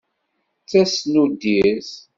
Tasnuddirt.